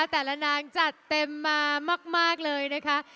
แต่ละนางจัดเต็มมามากเลยนะคะ